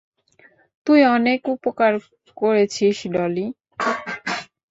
তুই অনেক উপকার করেছিস, ডলি।